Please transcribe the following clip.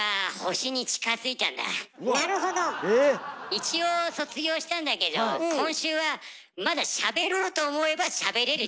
一応卒業したんだけど今週はまだしゃべろうと思えばしゃべれる状態なんだ。